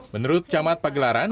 menurut camat pagelaran